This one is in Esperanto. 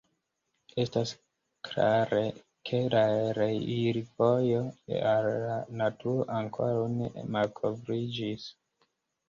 Estas klare ke la reirvojo al la naturo ankoraŭ ne malkovriĝis.